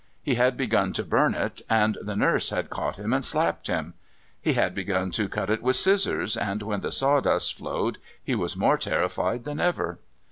He had begun to burn it, and the nurse had caught him and slapped him. He had begun to cut it with scissors, and when the sawdust flowed he was more terrified than ever.